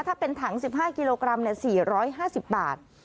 ถ้าเป็นถัง๑๕กิโลกรัม๔๕๐บาท